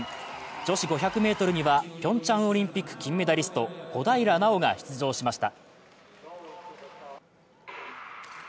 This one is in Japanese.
女子５００ｍにはピョンチャンオリンピック金メダリスト、小平奈緒が出場しました。